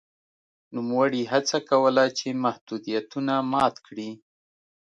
نوموړي هڅه کوله چې محدودیتونه مات کړي.